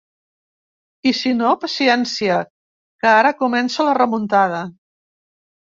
I si no, paciència, que ara comença la remuntada.